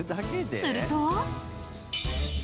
すると。